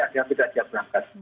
ada yang tidak siap berangkat